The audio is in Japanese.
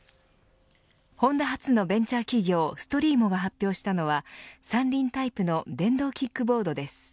ホンダ発のベンチャー企業ストリーモが発表したのは３輪タイプの電動キックボードです。